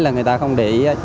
là người ta không để ý